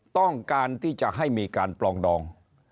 ต้องการที่จะให้มีการปลองดอง